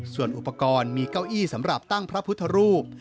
ส่วนอุปกรณ์มีเก้าอี้สำหรับตั้งพระพุทธรูป